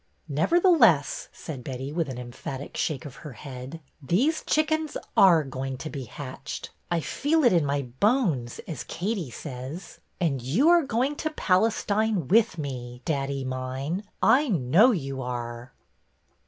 Nevertheless," said Betty, with an emphatic shake of her head, '' these chickens are going to be hatched. I feel it in my bones, as Katie says. And you are going to Palestine with me, daddy mine, I know you are."